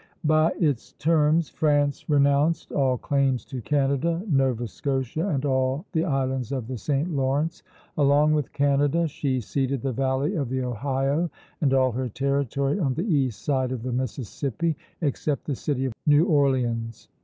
By its terms France renounced all claims to Canada, Nova Scotia, and all the islands of the St. Lawrence; along with Canada she ceded the valley of the Ohio and all her territory on the east side of the Mississippi, except the city of New Orleans.